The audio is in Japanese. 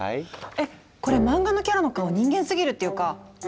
えっこれ漫画のキャラの顔人間すぎるっていうか